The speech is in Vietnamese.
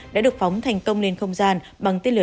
đã được phóng thành công lên không gian bằng tên lửa